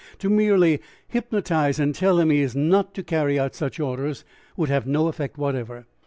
To merely hypnotize and tell him he is not to carry out such orders would have no effect whatever.